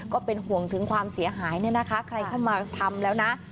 ก็เป็นห่วงถึงความเสียหายเนี่ยนะคะใครเข้ามาทำแล้วนะ